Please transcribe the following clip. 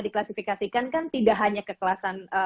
diklasifikasikan kan tidak hanya kekerasan